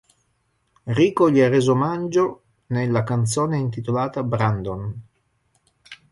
Rico gli ha reso omaggio nella canzone intitolata "Brandon".